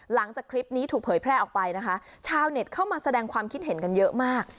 หลังจากคลิปนี้ถูกเผยแพร่ออกไปนะคะชาวเน็ตเข้ามาแสดงความคิดเห็นกันเยอะมาก